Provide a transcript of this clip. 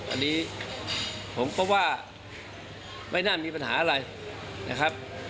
อันนี้ผมก็ว่าไม่น่ามีปัญหาอะไรนะครับ